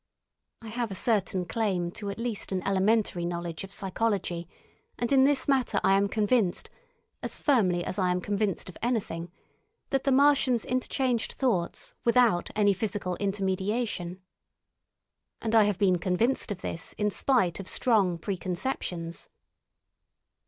I have a certain claim to at least an elementary knowledge of psychology, and in this matter I am convinced—as firmly as I am convinced of anything—that the Martians interchanged thoughts without any physical intermediation. And I have been convinced of this in spite of strong preconceptions.